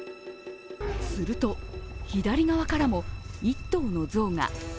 すると、左側からも１頭の象が。